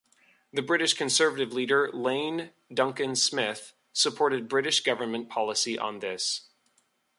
The British Conservative leader Iain Duncan Smith supported British government policy on this.